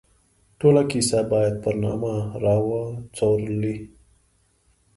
ټوله کیسه باید پر نامه را وڅورلي.